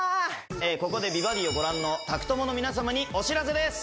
ここで「美バディ」をご覧の宅トモの皆様にお知らせです